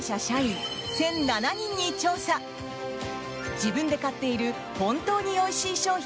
自分で買っている本当においしい商品